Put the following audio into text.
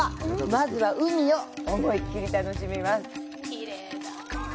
まずは海を、思いっきり楽しみます。